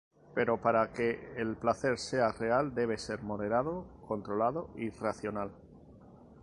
Pero para que el placer sea real debe ser moderado, controlado y racional.